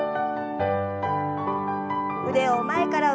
腕を前から上に。